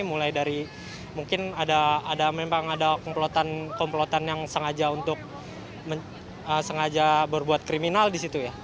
mulai dari mungkin ada komplotan komplotan yang sengaja untuk berbuat kriminal di situ ya